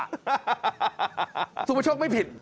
ฮ่าสุปชกไม่ผิด